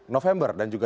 november dan juga